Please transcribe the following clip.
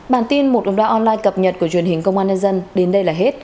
bản tin một đồng đo online cập nhật của truyền hình công an nhân dân đến đây là hết